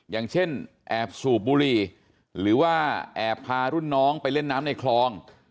อย่างเช่นแอบสูบบุหรี่หรือว่าแอบพารุ่นน้องไปเล่นน้ำในคลอง